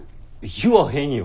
言わへんよ。